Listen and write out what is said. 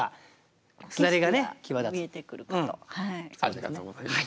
ありがとうございます。